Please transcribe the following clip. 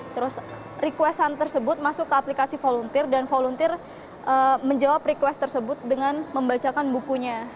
terus request sun tersebut masuk ke aplikasi volunteer dan volunteer menjawab request tersebut dengan membacakan bukunya